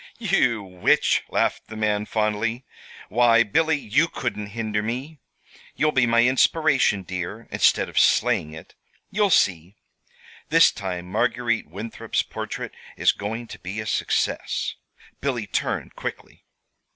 "You witch!" laughed the man, fondly. "Why, Billy, you couldn't hinder me. You'll be my inspiration, dear, instead of slaying it. You'll see. This time Marguerite Winthrop's portrait is going to be a success." Billy turned quickly.